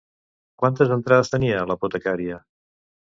Quantes entrades tenia l'apotecaria?